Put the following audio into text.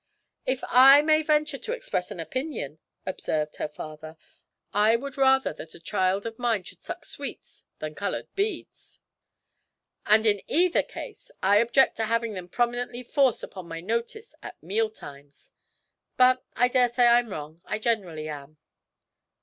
'If I may venture to express an opinion,' observed her father, 'I would rather that a child of mine should suck sweets than coloured beads, and in either case I object to having them prominently forced upon my notice at meal times. But I daresay I'm wrong. I generally am.'